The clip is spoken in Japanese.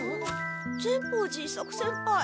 善法寺伊作先輩。